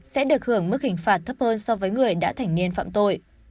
sẽ được hưởng mức hình phạt thấp hơn so với người đã thành niên phạm tội